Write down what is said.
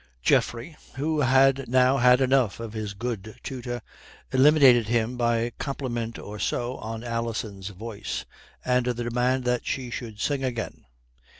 Geoffrey, who had now had enough of his good tutor, eliminated him by a compliment or so on Alison's voice and the demand that she should sing again.